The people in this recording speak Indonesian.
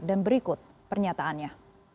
dan berikut pernyataannya